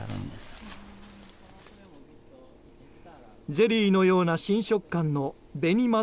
ゼリーのような新食感の紅ま